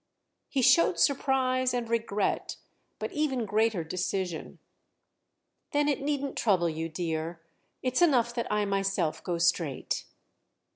He showed surprise and regret, but even greater decision. "Then it needn't trouble you, dear—it's enough that I myself go straight."